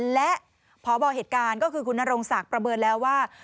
และพบเหตุการณ์ก็คือคุณนรงศักดิ์ประเมินแล้วว่า